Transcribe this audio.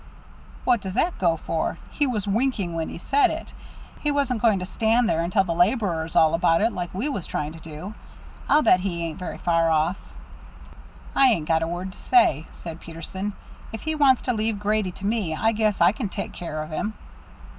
"What does that go for? He was winking when he said it. He wasn't going to stand there and tell the laborers all about it, like we was trying to do. I'll bet he ain't very far off." "I ain't got a word to say," said Peterson. "If he wants to leave Grady to me, I guess I can take care of him."